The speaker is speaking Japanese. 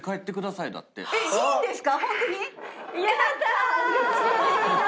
いいんですか？